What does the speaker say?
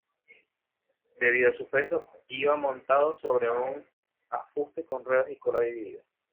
Debido a su peso, iba montado sobre un afuste con ruedas y cola dividida.